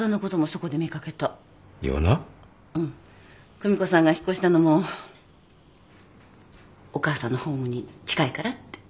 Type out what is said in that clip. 久美子さんが引っ越したのもお母さんのホームに近いからって。